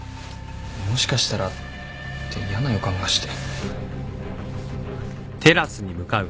もしかしたらって嫌な予感がして。